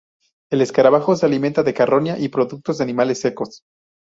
El escarabajo se alimenta de carroña y productos de animales secos.